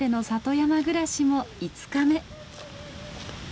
山暮らしも５日目。